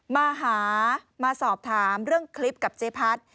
มาหามาสอบถามเรื่องคลิปกับเจ๊พัด